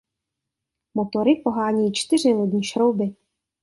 Motory pohánějí čtyři lodní šrouby.